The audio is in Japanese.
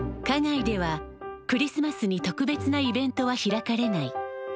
花街ではクリスマスに特別なイベントは開かれない。